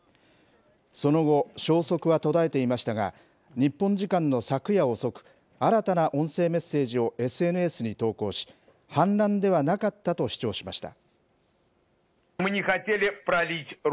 その後、消息は途絶えていましたが、日本時間の昨夜遅く、新たな音声メッセージをＳＮＳに投稿し、反乱ではなかったと主張しました。